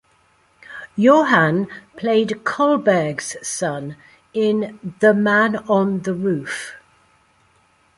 Johan played Kollberg's son in "The Man on the Roof".